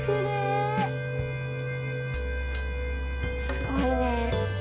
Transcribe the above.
すごいね。